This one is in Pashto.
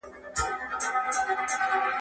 کښېناستل د زده کوونکي له خوا کيږي.